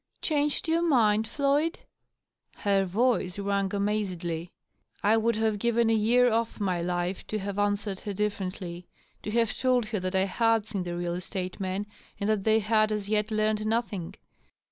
" Changed your mind, Floyd !" Her voice rang amazedly. I would have given a year off my life to have answered her differ ently — ^to have told her that I had seen the real estate men and that they had as yet learned nothing.